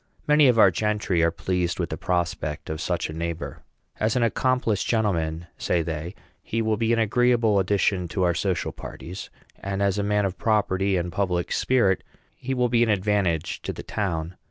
Many of our gentry are pleased with the prospect of such a neighbor. "As an accomplished gentleman," say they, "he will be an agreeable addition to our social parties; and as a man of property and public spirit, he will be an advantage to the town."